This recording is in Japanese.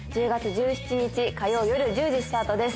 １７日火曜夜１０時スタートです